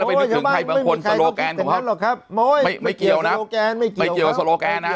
แล้วไปใกล้ถึงใครบางคนสโลแกนไม่เกี่ยวนะไม่เกี่ยวสโลแกนนะ